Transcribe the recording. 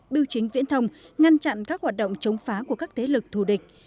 biểu chính viễn thông ngăn chặn các hoạt động chống phá của các thế lực thù địch